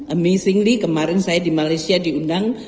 amissingly kemarin saya di malaysia diundang